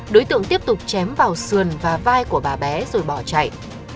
đối tượng tiếp tục chém vào sườn và vai của bà bé rồi bỏ chạy